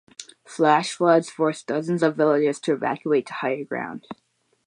Flash floods forced dozens of villagers to evacuate to higher ground.